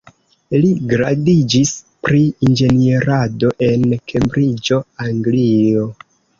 Li gradiĝis pri Inĝenierado en Kembriĝo, Anglio.